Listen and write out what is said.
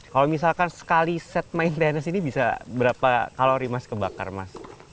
kalau misalkan sekali set main tenis ini bisa berapa kalori mas kebakar mas